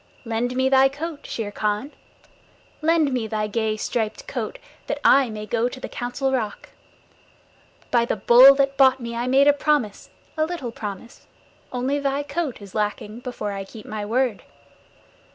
Lend me thy coat, Shere Khan. Lend me thy gay striped coat that I may go to the Council Rock. By the Bull that bought me I made a promise a little promise. Only thy coat is lacking before I keep my word.